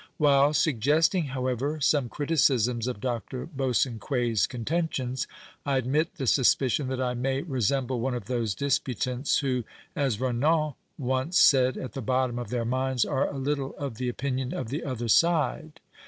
^Vhilc suggest ing, however, some criticisms of Dr. Bosanquct's contentions, I admit the susj)icion that I may resemble one of those disputants who, as Renan once said, at the bottom of their minds are a little of the opinion of the other side.